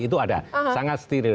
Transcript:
itu ada sangat steril